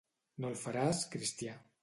No el faràs cristià.